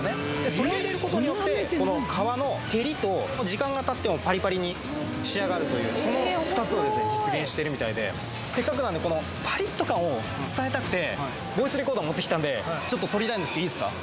それを入れることによってこの皮の照りと時間がたってもパリパリに仕上がるというその２つをですね実現してるみたいでせっかくなんでこの持ってきたんでちょっととりたいんですけどいいすか？